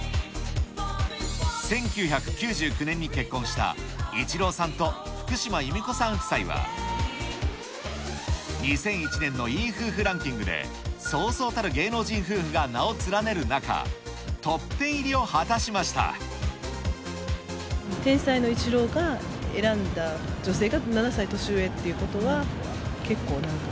１９９９年に結婚したイチローさんと福島弓子さん夫妻は、２００１年のいい夫婦ランキングで、そうそうたる芸能人夫婦が名を連ねる中、天才のイチローが選んだ女性が７歳年上っていうことは、結構なんか、